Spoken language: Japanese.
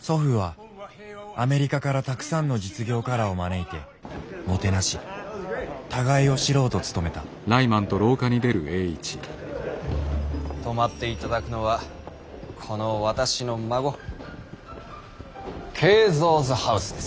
祖父はアメリカからたくさんの実業家らを招いてもてなし互いを知ろうと努めた泊まっていただくのはこの私の孫Ｋｅｉｚｏ’ｓｈｏｕｓｅです。